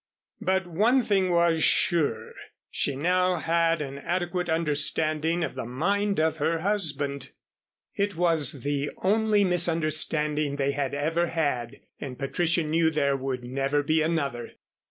But one thing was sure, she now had an adequate understanding of the mind of her husband. It was the only misunderstanding they had ever had and Patricia knew there would never be another.